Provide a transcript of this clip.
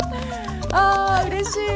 あうれしい！